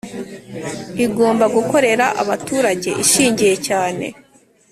Igomba gukorera abaturage ishingiye cyane